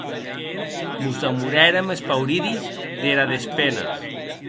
Mos demorèrem espauridi dera despena.